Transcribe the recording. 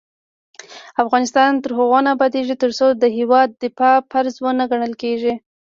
افغانستان تر هغو نه ابادیږي، ترڅو د هیواد دفاع فرض ونه ګڼل شي.